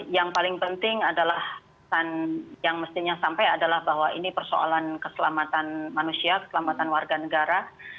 yang paling penting adalah yang mestinya sampai adalah bahwa ini persoalan keselamatan manusia keselamatan warga negara